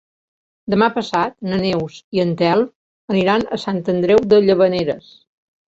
Demà passat na Neus i en Telm aniran a Sant Andreu de Llavaneres.